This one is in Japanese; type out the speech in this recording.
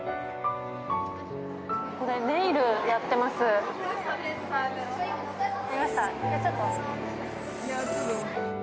ここでネイルやってます！